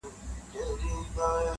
• دا کيسه درس ورکوي ډېر,